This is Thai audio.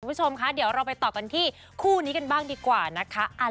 คุณผู้ชมคะเดี๋ยวเราไปต่อกันที่คู่นี้กันบ้างดีกว่านะคะ